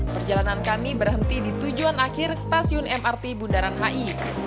perjalanan kami berhenti di tujuan akhir stasiun mrt bundaran hi